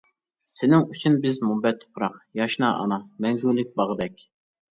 سېنىڭ ئۈچۈن بىز مۇنبەت تۇپراق، ياشنا ئانا، مەڭگۈلۈك باغدەك.